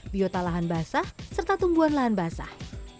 biota lahan basah serta tumbuhan lahan basah